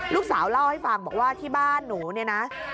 ลูกสาวเล่าให้ฟังบอกว่าที่บ้านหนูเนี่ยนะ